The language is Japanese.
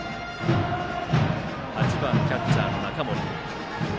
打者は８番キャッチャーの中森。